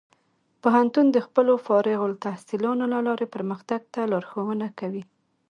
پوهنتون د خپلو فارغ التحصیلانو له لارې پرمختګ ته لارښوونه کوي.